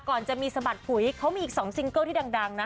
ก่อนจะมีสะบัดปุ๋ยเขามีอีก๒ซิงเกิลที่ดังนะ